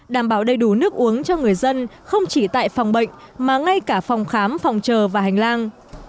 đảm bảo đầy đủ nước uống cho người dân không chỉ tại phòng bệnh mà ngay cả phòng khám phòng chờ và hành lang